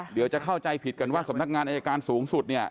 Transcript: เดี๋ยวจะเข้าใจผิดกันว่าสำนักงานอายการสูงสุดเนี่ย